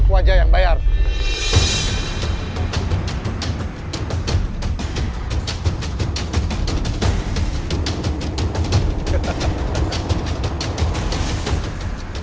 biar aku yang bayar ini mas